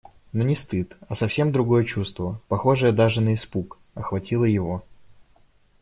Но не стыд, а совсем другое чувство, похожее даже на испуг, охватило его.